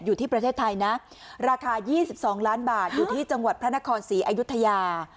อยู่ที่ประเทศไทยนะราคา๒๒ล้านบาทอยู่ที่จังหวัดพระนครศรีอยุธยา